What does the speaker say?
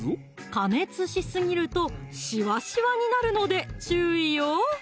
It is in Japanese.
加熱しすぎるとシワシワになるので注意よ！